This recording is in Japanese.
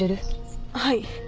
はい。